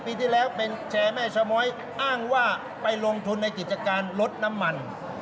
ปีที่แล้วเป็นแชร์แม่ชะม้อยอ้างว่าไปลงทุนในกิจการลดน้ำมัน